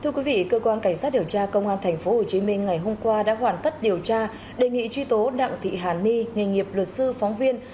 thưa quý vị cơ quan cảnh sát điều tra công an tp hcm ngày hôm qua đã hoàn tất điều tra đề nghị truy tố đặng thị hàn ni nghề nghiệp luật sư phóng viên